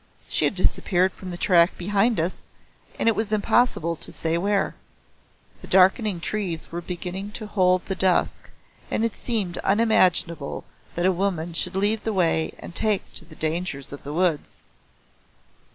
She had disappeared from the track behind us and it was impossible to say where. The darkening trees were beginning to hold the dusk and it seemed unimaginable that a woman should leave the way and take to the dangers of the woods.